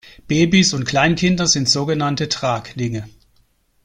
Babys und Kleinkinder sind sogenannte Traglinge.